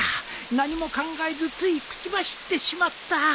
何も考えずつい口走ってしまった